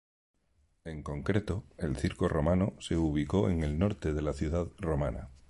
En concreto, el circo romano se ubicó en el norte de la ciudad romana.